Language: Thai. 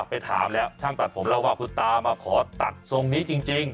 ไปถามแล้วช่างตัดผมเล่าว่าคุณตามาขอตัดทรงนี้จริง